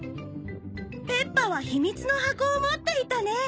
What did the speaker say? ペッパはひみつのはこを持っていたね。